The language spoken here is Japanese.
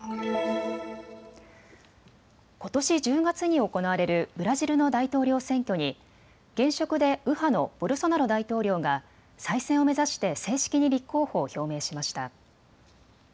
ことし１０月に行われるブラジルの大統領選挙に現職で右派のボルソナロ大統領が再選を目指して正式に立候補を表明しました。